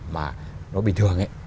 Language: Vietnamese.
mà nó bình thường ấy